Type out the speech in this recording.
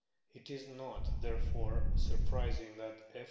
It is not, therefore, surprising that F.